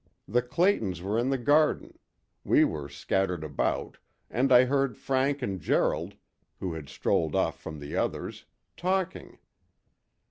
The Claytons were in the garden; we were scattered about, and I heard Frank and Gerald, who had strolled off from the others, talking.